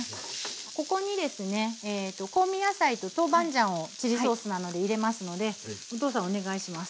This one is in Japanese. ここにですね香味野菜と豆板醤をチリソースなので入れますのでお父さんお願いします。